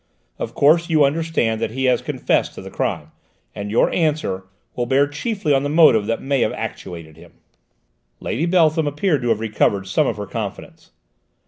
Of course you understand that he has confessed to the crime, and your answer will bear chiefly on the motive that may have actuated him." Lady Beltham appeared to have recovered some of her confidence.